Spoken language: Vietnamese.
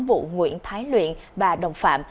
vụ nguyễn thái luyện và đồng phạm